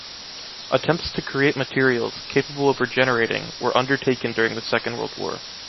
Attempts to create materials, capable of regenerating, were undertaken during the Second World War.